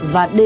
và đề cử